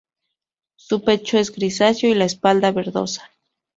Su pecho es grisáceo y la espalda verdosa.